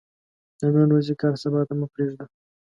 د نن ورځې کار سبا ته مه پريږده